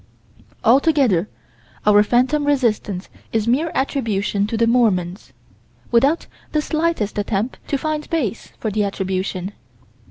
Altogether our phantom resistance is mere attribution to the Mormons, without the slightest attempt to find base for the attribution.